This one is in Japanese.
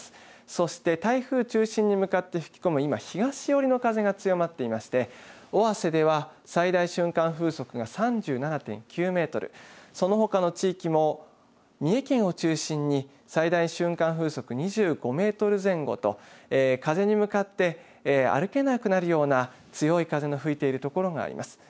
そして台風中心に向かって吹き込む今、東寄りの風が強まっていまして尾鷲では最大瞬間風速が３７．９メートル、そのほかの地域も三重県を中心に最大瞬間風速２５メートル前後と風に向かって歩けなくなるような強い風が吹いているところがあります。